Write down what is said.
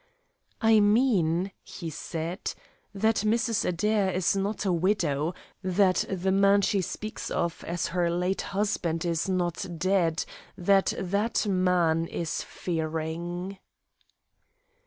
"I mean," he said, "that Mrs. Adair is not a widow, that the man she speaks of as her late husband is not dead; that that man is Fearing!"